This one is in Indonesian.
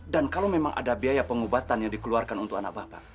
dan kalau memang ada biaya pengubatan yang dikeluarkan untuk anak bapak